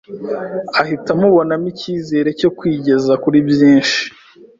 uhita umubonamo icyizere cyo kwigeza kuri byinshi